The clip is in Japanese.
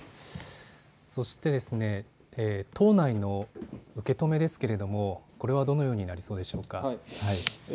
そして党内の受け止めですけれども、これはどのようになりそうでしょうか。